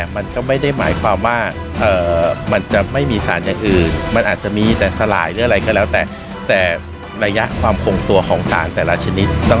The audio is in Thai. มันก็ไม่ได้หมายความว่ามันจะไม่มีสารอย่างอื่นมันอาจจะมีแต่สลายหรืออะไรก็แล้วแต่แต่ระยะความคงตัวของสารแต่ละชนิด